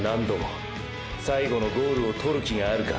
最後のゴールを獲る気があるか